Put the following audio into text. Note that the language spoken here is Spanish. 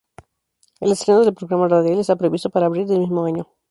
El estreno del programa radial está previsto para abril del mismo año.